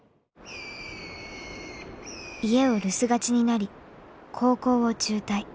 家を留守がちになり高校を中退。